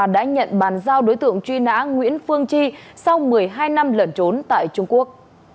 đã nhận bàn giao đối tượng truy nã nguyễn phương chi sau một mươi hai năm lẩn trốn tại trung quốc